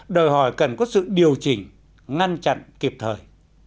đòi hỏi cần có sự điều chỉnh ngăn chặn kịp thời